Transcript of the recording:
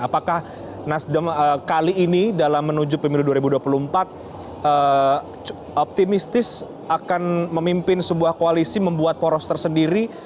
apakah nasdem kali ini dalam menuju pemilu dua ribu dua puluh empat optimistis akan memimpin sebuah koalisi membuat poros tersendiri